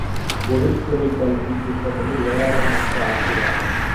பொதுத் துறைக் கல்விக் கூடங்களை ஏராளமாக்க ஆசையா?